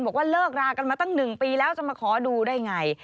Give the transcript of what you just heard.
บอกว่าเลิกรากันมาตั้ง๑ปีแล้วจะมาขอดูได้ไง